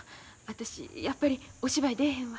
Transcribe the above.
私やっぱりお芝居出えへんわ。